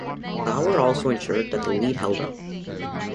Bauer also ensured that the lead held up.